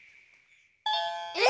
え！